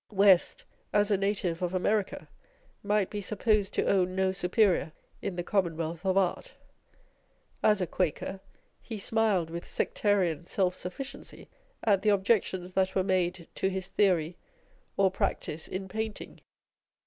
West, as a native of America, might be supposed to own no superior in the commonwealth of art : as a Quaker, he smiled with sectarian self sufficiency at the objections that were made to his theory or practice in painting.